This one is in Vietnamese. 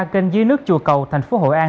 kênh dưới nước chùa cầu thành phố hội an